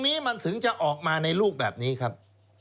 นี้มันถึงจะออกมาในรูปแบบนี้ครับ